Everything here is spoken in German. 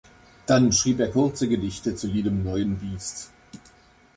Dann schrieb er kurze Gedichte zu jedem neuen Biest.